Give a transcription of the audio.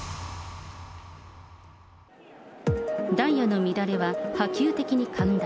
ダイヤの乱れは波及的に拡大。